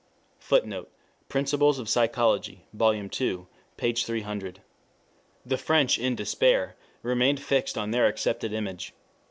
[Footnote: Principles of Psychology, Vol. II, p. 300.] The French in despair remained fixed on their accepted image.